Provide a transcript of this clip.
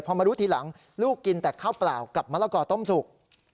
พอมารู้ทีหลังลูกกินแต่ข้าวเปล่ากับมะละกอต้มสุก